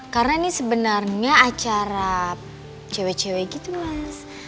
karena ini sebenarnya acara cewek cewek gitu mas